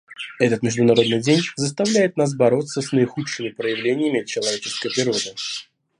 Этот Международный день заставляет нас бороться с наихудшими проявлениями человеческой природы.